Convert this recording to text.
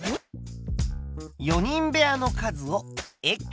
４人部屋の数を。